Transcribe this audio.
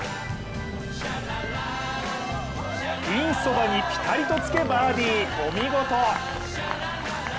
ピンそばにぴたりとつけバーディー、お見事！